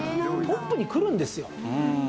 トップにくるんですよ。